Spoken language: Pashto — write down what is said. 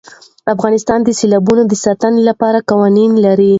افغانستان د سیلابونه د ساتنې لپاره قوانین لري.